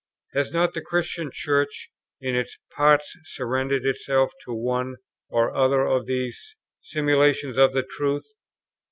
Has not the Christian Church, in its parts, surrendered itself to one or other of these simulations of the truth?...